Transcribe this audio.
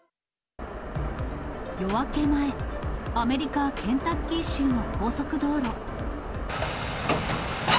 夜明け前、アメリカ・ケンタッキー州の高速道路。